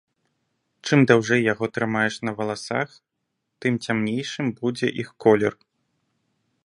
Чым даўжэй яго трымаеш на валасах, тым цямнейшым будзе іх колер.